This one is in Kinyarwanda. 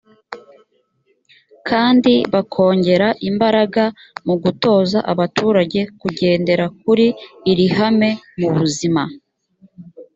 kandi bakongera imbaraga mu gutoza abaturage kugendera kuri iri hame mu buzima